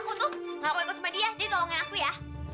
aku tuh gak mau ikut sama dia jadi tolong aja aku ya